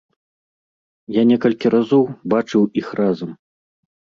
Я некалькі разоў бачыў іх разам.